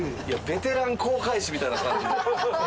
ベテラン航海士みたいな感じ。